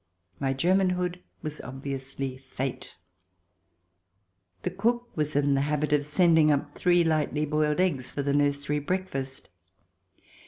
My Germanhood was obviously Fate. The cook was in the habit of sending up three lightly boiled eggs for the nursery breakfast.